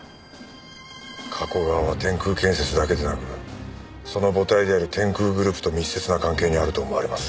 加古川は天空建設だけでなくその母体である天空グループと密接な関係にあると思われます。